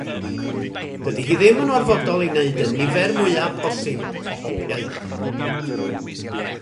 Dydi hi ddim yn orfodol i wneud y nifer mwyaf posibl o hopiau.